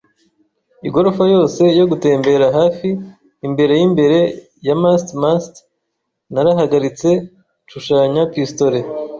igorofa yose yo gutembera hafi. Imbere yimbere ya mast-mast narahagaritse, nshushanya pistolet